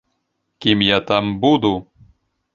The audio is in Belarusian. Кім я там буду?